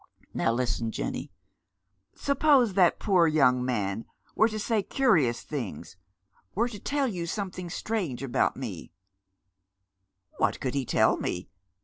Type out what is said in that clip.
Now listen, Jenny. Suppose that poor young man were to say curious things — were to tell you something strange about me "" What could he tell me?